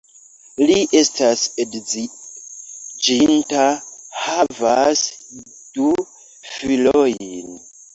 Li estas edziĝinta, havas du filojn.